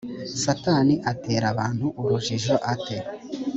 satani atera abantu urujijo ate